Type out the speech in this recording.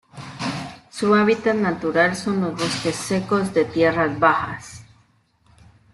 Su hábitat natural son los bosques secos de tierras bajas.